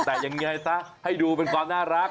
แต่ยังไงซะให้ดูเป็นความน่ารัก